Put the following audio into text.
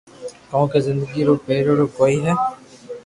ڪونڪھ زندگي رو ڀھريري ڪوئي ھي